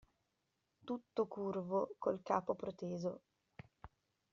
Tutto curvo, col capo proteso.